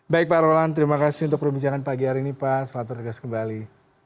baik pak rolan terima kasih untuk perbincangan pagi hari ini pak selamat bertugas kembali